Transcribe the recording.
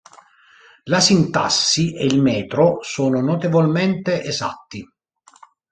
La sintassi e il metro sono notevolmente esatti.